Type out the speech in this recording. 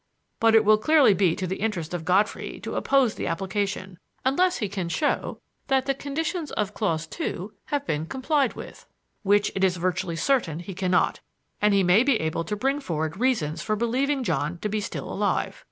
But it will clearly be to the interest of Godfrey to oppose the application, unless he can show that the conditions of clause two have been complied with which it is virtually certain he cannot; and he may be able to bring forward reasons for believing John to be still alive.